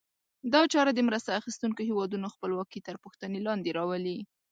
دا چاره د مرسته اخیستونکو هېوادونو خپلواکي تر پوښتنې لاندې راولي.